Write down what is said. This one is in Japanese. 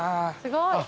すごい。